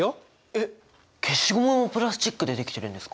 えっ消しゴムもプラスチックでできてるんですか？